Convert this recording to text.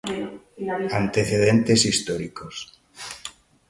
Antecedentes históricos.